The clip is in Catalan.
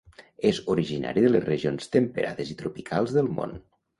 És originari de les regions temperades i tropicals del món.